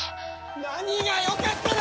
何が「よかった」だ！